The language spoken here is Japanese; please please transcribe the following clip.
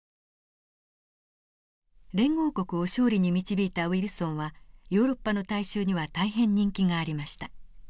連合国を勝利に導いたウィルソンはヨーロッパの大衆には大変人気がありました。